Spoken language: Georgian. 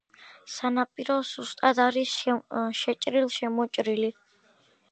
სანაპირო სუსტად არის შეჭრილ-შემოჭრილი.